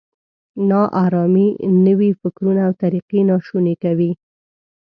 نا ارامي نوي فکرونه او طریقې ناشوني کوي.